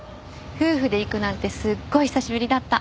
夫婦で行くなんてすごい久しぶりだった。